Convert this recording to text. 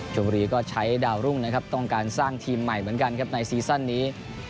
บุรีก็ใช้ดาวรุ่งนะครับต้องการสร้างทีมใหม่เหมือนกันครับในซีซั่นนี้